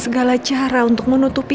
segala cara untuk menutupi